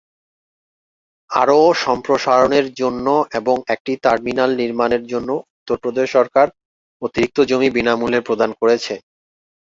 আরও সম্প্রসারণের জন্য এবং একটি টার্মিনাল নির্মাণের জন্য উত্তরপ্রদেশ সরকার অতিরিক্ত জমি বিনামূল্যে প্রদান করছে।